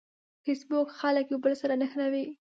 فېسبوک خلک یو بل سره نښلوي